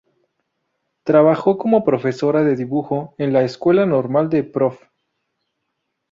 Trabajo como profesora de dibujo en la Escuela Normal de Prof.